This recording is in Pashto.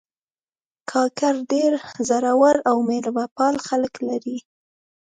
کاکړ ډېر زړور او میلمهپال خلک لري.